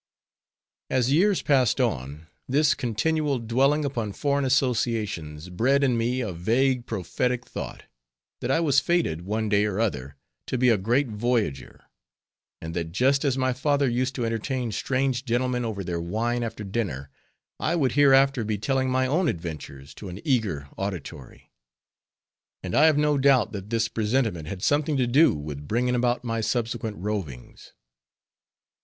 As years passed on, this continual dwelling upon foreign associations, bred in me a vague prophetic thought, that I was fated, one day or other, to be a great voyager; and that just as my father used to entertain strange gentlemen over their wine after dinner, I would hereafter be telling my own adventures to an eager auditory. And I have no doubt that this presentiment had something to do with bringing about my subsequent rovings.